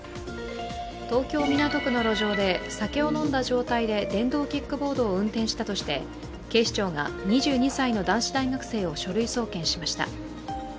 東京・港区の路上で酒を飲んだ状態で電動キックボードを運転したとして警視庁が、２２歳の男子大学生を書類送検しました。